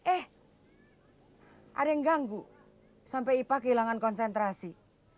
eh ada yang ganggu sampai ipa kehilangan konsentrasi